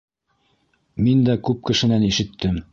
— Мин дә күп кешенән ишеттем.